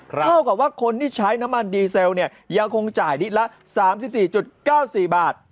เท่ากับว่าคนที่ใช้น้ำมันดีเซลยังคงจ่ายลิตรละ๓๔๙๔บาท